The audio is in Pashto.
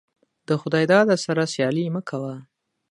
دخداى داده سره سيالي مه کوه.